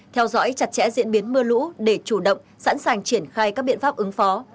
theo dõi chặt chẽ diễn biến mưa lũ để chủ động sẵn sàng triển khai các biện pháp ứng phó